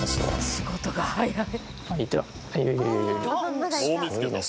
仕事が早い。